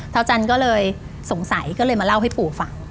เท้าจันก็เลยสงสัยก็เลยมาเล่าให้ปู่ฝั่ง